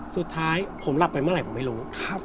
สุดท้ายผมหลับไปเมื่อไหร่ผมไม่รู้